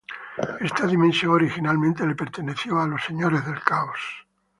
Esta dimensión originalmente le perteneció a los "Señores del Caos".